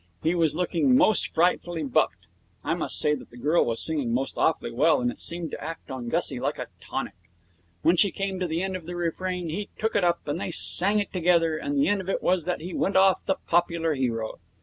He was looking most frightfully bucked. I must say the girl was singing most awfully well, and it seemed to act on Gussie like a tonic. When she came to the end of the refrain, he took it up, and they sang it together, and the end of it was that he went off the popular hero.